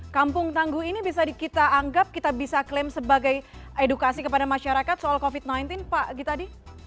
kampung tangguh ini bisa kita anggap kita bisa klaim sebagai edukasi kepada masyarakat soal covid sembilan belas pak gitadi